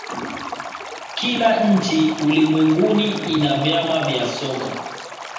kila nchi ulimwenguni ina vyama vya soka